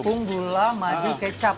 tepung gula madu kecap